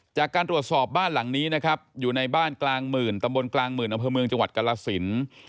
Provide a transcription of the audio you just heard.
จากการตรวจสอบบ้านหลังนี้นะครับอยู่ในบ้านกลางหมื่นตำบลกลางหมื่นอำเภอเมืองจังหวัดกรสิน